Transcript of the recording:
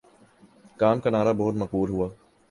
کام کا نعرہ بہت مقبول ہوا